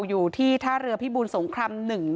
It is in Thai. อยู่ที่ท่าเรือพิบูลสงคราม๑